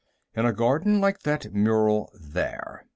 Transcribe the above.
In a garden like that mural there."